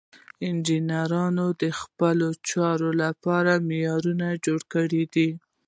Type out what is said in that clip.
انجینرانو د خپلو چارو لپاره معیارونه جوړ کړي دي.